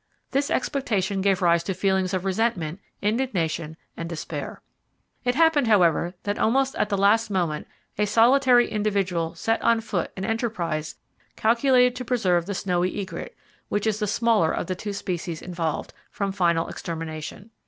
This expectation gave rise to feelings of resentment, indignation and despair. It happened, however, that almost at the last moment a solitary individual set on foot an enterprise calculated to preserve the snowy egret (which is the smaller of the two species involved), from final extermination.